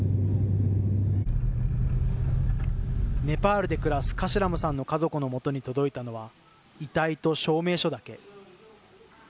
ネパールで暮らすカシラムさんの家族のもとに届いたのは、遺体と証明書だけ。